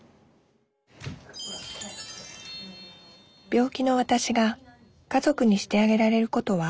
病気のわたしが家族にしてあげられることは？